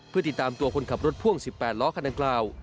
เพื่อติดตามตัวคนขับรถพ่วง๑๘ล้อคันดังกล่าว